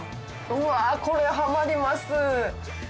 うわこれハマります。